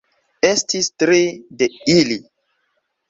Estis tri de ili.